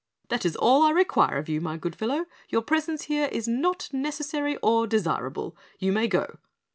That is all I require of you, my good fellow, your presence here is not necessary or desirable. You may go.